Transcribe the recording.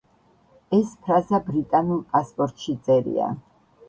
ეს ფრაზა ბრიტანულ პასპორტში წერია.